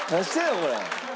これ。